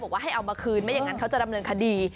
ว่าให้เอามาคืนไม่อย่างนั้นเขาจะดำเนินคดี